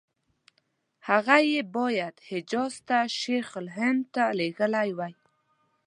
هغه یې باید حجاز ته شیخ الهند ته لېږلي وای.